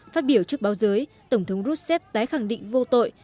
phát biểu trước báo giới tổng thống russép tái khẳng định vô tội